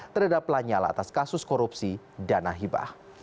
terhadap lanyala atas kasus korupsi dana hibah